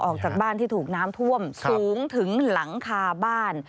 ออกจากบ้านที่ถูกน้ำท่วมสูงถึงหลังคาบ้าน